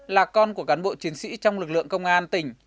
là con của cán bộ chiến sĩ trong lực lượng công an tỉnh